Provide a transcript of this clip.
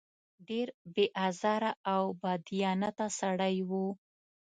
ډېر بې آزاره او بادیانته سړی و.